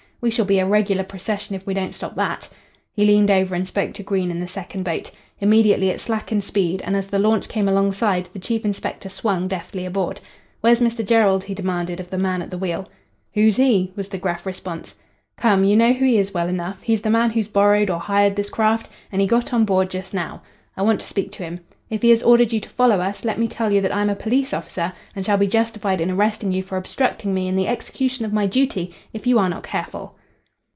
We shall be a regular procession if we don't stop that." He leaned over and spoke to Green in the second boat. Immediately it slackened speed, and as the launch came alongside the chief inspector swung deftly aboard. "Where's Mr. Jerrold?" he demanded of the man at the wheel. "Who's he?" was the gruff response. "Come, you know who he is well enough. He's the man who's borrowed or hired this craft, and he got on board just now. I want to speak to him. If he has ordered you to follow us, let me tell you that I am a police officer, and shall be justified in arresting you for obstructing me in the execution of my duty if you are not careful."